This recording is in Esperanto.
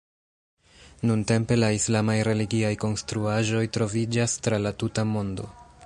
Nuntempe la islamaj religiaj konstruaĵoj troviĝas tra la tuta mondo.